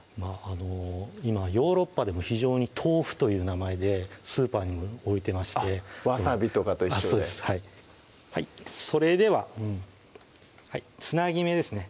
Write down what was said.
今ヨーロッパでも非常に豆腐という名前でスーパーにも置いてましてわさびとかと一緒でそうですそれではつなぎ目ですね